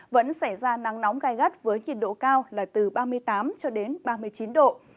vẫn xảy ra nắng nóng gai gắt với nhiệt độ cao là từ ba mươi tám cho đến ba mươi chín độ